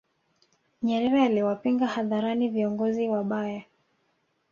nyerere aliwapinga hadharani viongozi wabaya